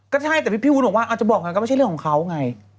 ก็ใช่แต่พี่วุ้นบอกว่าอาจจะบอกไงก็ไม่ใช่เรื่องของเขาไง